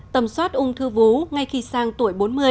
tầm soát ung thư vú ngay khi sang tuổi bốn mươi